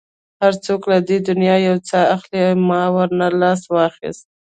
هر څوک له دې دنیا یو څه اخلي، ما ورنه لاس واخیست.